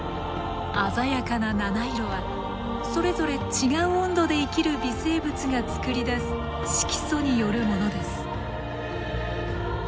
鮮やかな７色はそれぞれ違う温度で生きる微生物が作り出す色素によるものです。